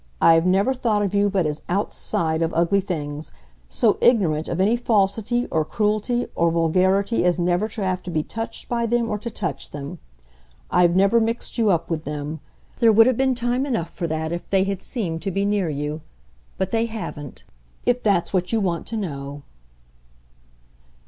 I've never thought of you but as OUTSIDE of ugly things, so ignorant of any falsity or cruelty or vulgarity as never to have to be touched by them or to touch them. I've never mixed you up with them; there would have been time enough for that if they had seemed to be near you. But they haven't if that's what you want to know."